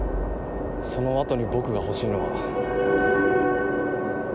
そのあとに僕が欲しいのは。